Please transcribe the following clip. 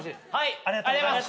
ありがとうございます。